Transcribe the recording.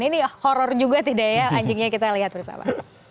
ini horror juga tidak ya anjingnya kita lihat bersama